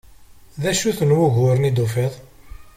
D acu-ten wuguren i d-tufiḍ?